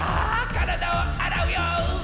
からだをあらうよ！